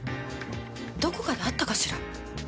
どこかで会ったかしら？